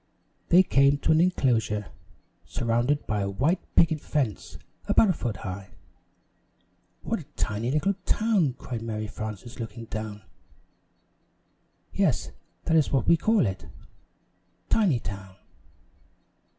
They came to an enclosure, surrounded by a white picket fence about a foot high. "What a tiny little town!" cried Mary Frances, looking down. "Yes, that is what we call it Tinytown."